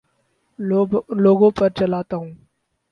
لوگوں پر چلاتا ہوں